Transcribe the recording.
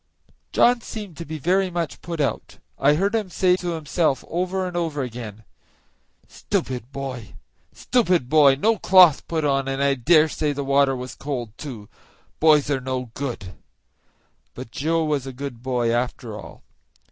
John seemed to be very much put out. I heard him say to himself over and over again, "Stupid boy! stupid boy! no cloth put on, and I dare say the water was cold, too; boys are no good;" but Joe was a good boy, after all.